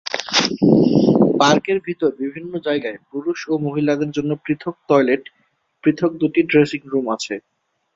পার্কের ভিতর বিভিন্ন জায়গায় পুরুষ ও মহিলাদের জন্য পৃথক টয়লেট, পৃথক দুটি ড্রেসিং রুম আছে।